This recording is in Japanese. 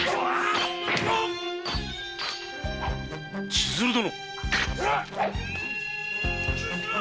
千鶴殿！